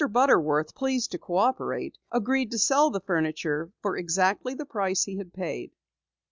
Butterworth, pleased to cooperate, agreed to sell the furniture for exactly the price he had paid.